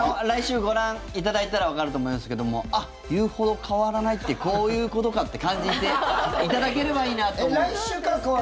来週、ご覧いただいたらわかると思いますけどもあっ、言うほど変わらないってこういうことかって感じていただければいいなと思います。